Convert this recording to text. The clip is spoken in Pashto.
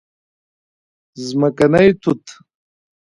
🍓ځمکني توت